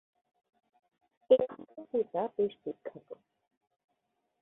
এখানকার পূজা বেশ বিখ্যাত।